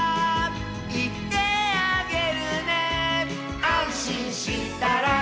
「いってあげるね」「あんしんしたら」